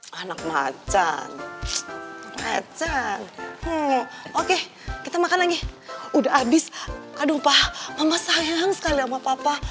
hai anak macan macan oke kita makan lagi udah abis kadung pak mama sayang sekali sama papa